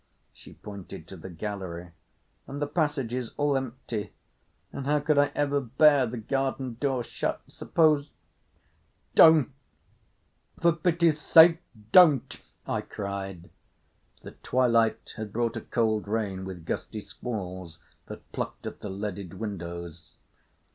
She pointed to the gallery. "And the passages all empty. … And how could I ever bear the garden door shut? Suppose——" "Don't! For pity's sake, don't!" I cried. The twilight had brought a cold rain with gusty squalls that plucked at the leaded windows.